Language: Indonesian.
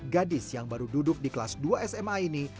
gadis yang baru duduk di kelas dua sma ini